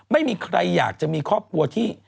ไม่มีใครอยากจะมีครอบครัวที่